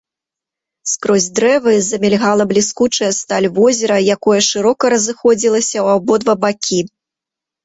Скрозь дрэвы замільгала бліскучая сталь возера, якое шырока разыходзілася ў абодва бакі.